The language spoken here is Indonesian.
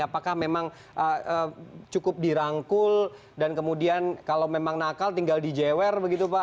apakah memang cukup dirangkul dan kemudian kalau memang nakal tinggal dijewer begitu pak